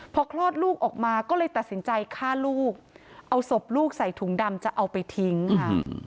พอคลอดลูกออกมาก็เลยตัดสินใจฆ่าลูกเอาศพลูกใส่ถุงดำจะเอาไปทิ้งค่ะ